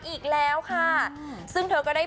อีกแล้วค่ะซึ่งเธอก็ได้